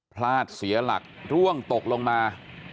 พลาดเสียหลักร่วงตกลงมา